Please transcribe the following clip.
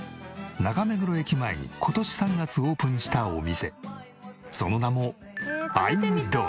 中目黒駅前に今年３月オープンしたお店その名もＩ’ｍｄｏｎｕｔ？